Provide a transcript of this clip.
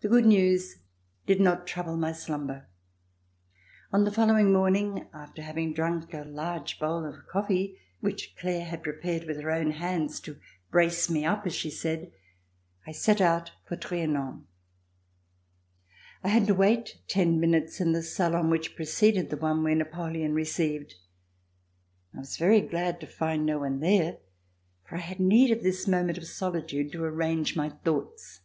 The good news did not trouble my slumber. On the following morning, after having drunk a large bowl of coff^ee, which Claire had prepared with her own hands to brace me up, as she said, I set out for Trianon. I had to wait ten minutes in the salon which preceded the one where Napoleon received. I was very glad to find no one there for I had need of this moment of solitude to arrange my thoughts.